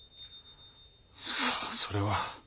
さあそれは。